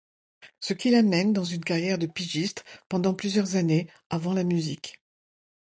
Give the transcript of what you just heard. Ce qui l'amène dans une carrière de pigiste pendant plusieurs années avant la musique.